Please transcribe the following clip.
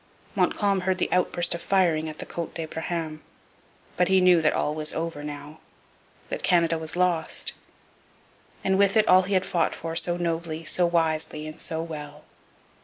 Montcalm heard the outburst of firing at the Cote d'Abraham. But he knew that all was over now, that Canada was lost, and with it all he had fought for so nobly, so wisely, and so well.